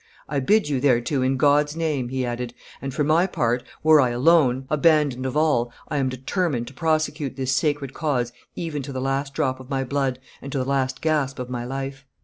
"I bid you thereto in God's name," he added, "and for my part, were I alone, abandoned of all, I am determined to prosecute this sacred cause even to the last drop of my blood and to the last gasp of my life."